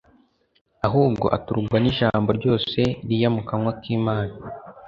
ahubwo aturugwa n'ijambo ryose riya mu kanwa k'Imana.»